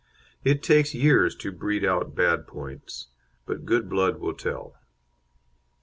It takes years to breed out bad points, but good blood will tell.